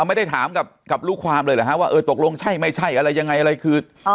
ไม่ได้ถามกับลูกความเลยเหรอฮะว่าเออตกลงใช่ไม่ใช่อะไรยังไงอะไรคือ